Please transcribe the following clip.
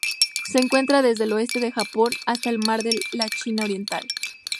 Se encuentra desde el oeste del Japón hasta el Mar de la China Oriental.